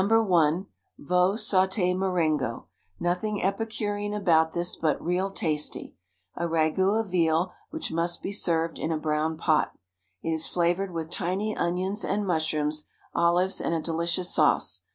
I — Veau Saute Marengo — nothing epicurean about this, but real tasty; a ragout of veal which must be served in a brown pot. It is flavored with tiny onions and mushrooms, olives and a delicious sauce.